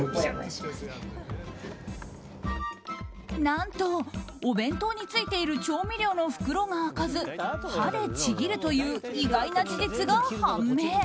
何と、お弁当についている調味料の袋が開かず歯でちぎるという意外な事実が判明。